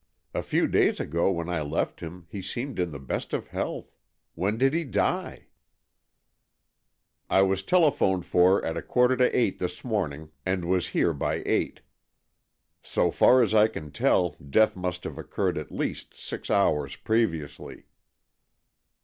"A few days ago, when I left him, he seemed in the best of health. When did he die }"" I was telephoned for at a quarter to eight this morning, and was here by eight. So far as I can tell, death must have occurred at least six hours previously."